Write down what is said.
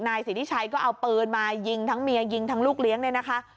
นายสิทธิชัยก็เอาปืนมายิงทั้งเมียยิงทั้งลูกเลี้ยงเนี่ยนะคะ